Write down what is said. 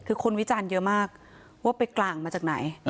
คือคนวิจารณ์เยอะมากว่าไปกลางมาจากไหน